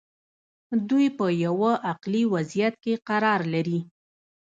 دوی په یوه عقلي وضعیت کې قرار لري.